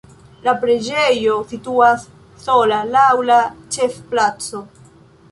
La preĝejo situas sola laŭ la ĉefplaco.